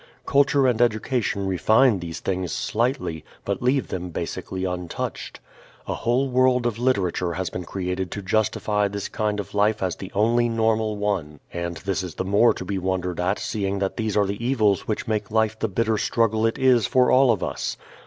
Culture and education refine these things slightly but leave them basically untouched. A whole world of literature has been created to justify this kind of life as the only normal one. And this is the more to be wondered at seeing that these are the evils which make life the bitter struggle it is for all of us.